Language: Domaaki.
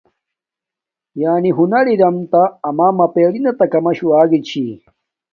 ۔یانی ہنز اروم تہ ما پریناتہ کاماشوہ آگی چھی۔